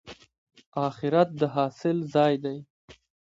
اخرت د حاصل ځای دی